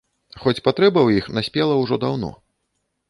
Хоць патрэба ў іх наспела ўжо даўно.